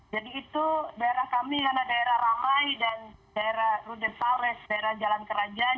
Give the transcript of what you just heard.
jadi itu daerah kami karena daerah ramai dan daerah rudenstall daerah jalan kerajaan